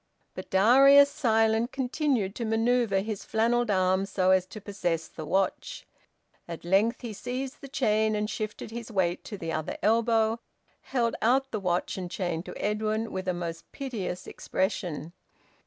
But Darius, silent, continued to manoeuvre his flannelled arm so as to possess the watch. At length he seized the chain, and, shifting his weight to the other elbow, held out the watch and chain to Edwin, with a most piteous expression.